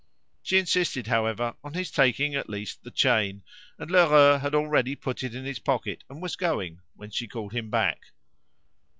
She insisted, however, on his taking at least the chain, and Lheureux had already put it in his pocket and was going, when she called him back.